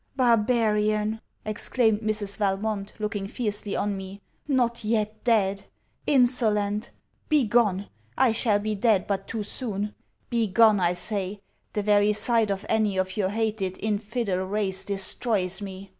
'Barbarian!' exclaimed Mrs. Valmont, looking fiercely on me, 'not yet dead! Insolent! Be gone, I shall be dead but too soon. Be gone, I say, the very sight of any of your hated infidel race destroys me.'